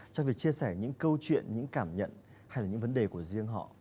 trong việc chia sẻ những câu chuyện những cảm nhận hay là những vấn đề của riêng họ